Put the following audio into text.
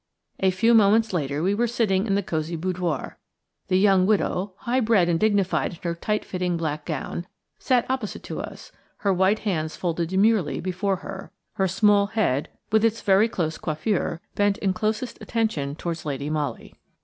A few moments later we were sitting in the cosy boudoir. The young widow, high bred and dignified in her tight fitting black gown, sat opposite to us, her white hands folded demurely before her, her small head, with its very close coiffure, bent in closest attention towards Lady Molly.